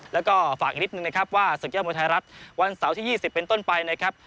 แล้วก็ฝากอีกนิดนึงนะครับว่าศึกยอดมวยไทยรัฐวันเสาร์ที่๒๐เป็นต้นไปนะครับ